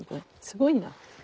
すごいな。